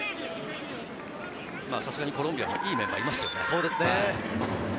さすがにコロンビアもいいメンバーがいますよね。